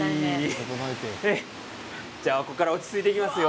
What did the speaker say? ここからは落ち着いていきますよ。